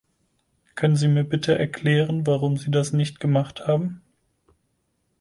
Können Sie mir bitte erklären, warum Sie das nicht gemacht haben?